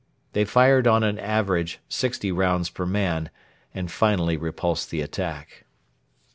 They fired on an average sixty rounds per man, and finally repulsed the attack.